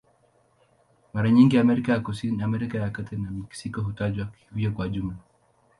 Mara nyingi Amerika ya Kusini, Amerika ya Kati na Meksiko hutajwa hivyo kwa jumla.